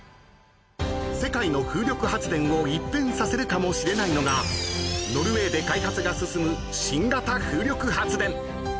［世界の風力発電を一変させるかもしれないのがノルウェーで開発が進む新型風力発電］